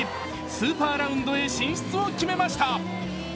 スーパーラウンドへ進出を決めました。